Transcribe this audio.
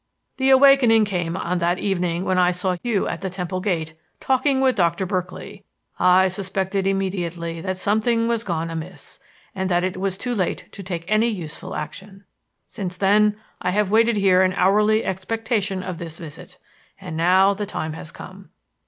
"The awakening came on that evening when I saw you at the Temple gate talking with Doctor Berkeley. I suspected immediately that something was gone amiss and that it was too late to take any useful action. Since then, I have waited here in hourly expectation of this visit. And now the time has come.